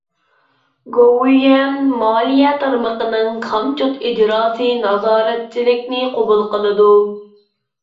گوۋۇيۈەن مالىيە تارمىقىنىڭ خام چوت ئىجراسى نازارەتچىلىكىنى قوبۇل قىلىدۇ.